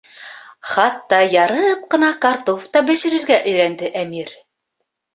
Хатта ярып ҡына картуф та бешерергә өйрәнде Әмир.